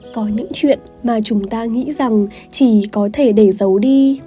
có những chuyện mà chúng ta nghĩ rằng chỉ có thể để giấu đi